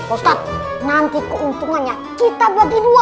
ustaz nanti keuntungannya kita bagi dua